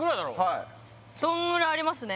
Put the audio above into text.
はいそんぐらいありますね